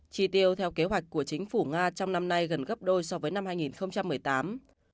chi tiêu theo kế hoạch của chính phủ nga trong năm nay gần gấp đôi so với năm hai nghìn một mươi tám